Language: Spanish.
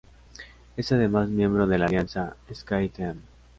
Es además miembro de la alianza SkyTeam.